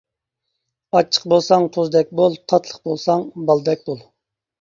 ئاچچىق بولساڭ تۇزدەك بول، تاتلىق بولساڭ بالدەك بول.